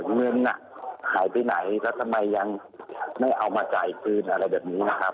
เงินหายไปไหนแล้วทำไมยังไม่เอามาจ่ายอีกซื้นอะไรแบบนี้